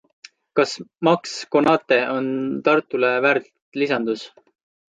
Kas Maks Konate on Tartule väärt lisandus?